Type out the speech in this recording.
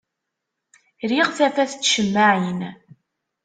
Riɣ tafat n tcemmaɛin.